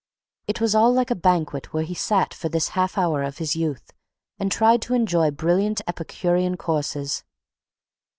It was all like a banquet where he sat for this half hour of his youth and tried to enjoy brilliant epicurean courses.